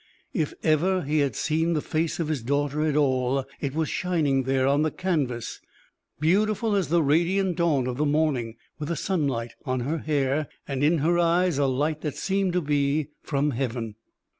If ever he had seen the face of his daughter at all, it was shining there on the canvas, beautiful as the radiant dawn of the morning, with the sunlight on her hair, and in her eyes a light that seemed to be from heaven.